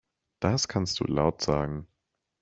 Das kannst du laut sagen.